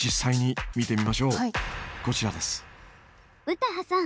・詩羽さん